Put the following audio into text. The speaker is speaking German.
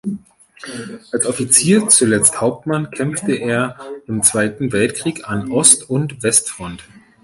Als Offizier, zuletzt Hauptmann, kämpfte er im Zweiten Weltkrieg an Ost- und Westfront.